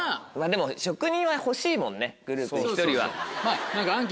でも職人は欲しいもんねグループに１人は。